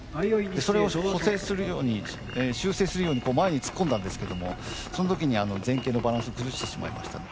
それを修正するように前に突っ込んだんですけどもその時に前傾のバランスを崩してしまいましたね。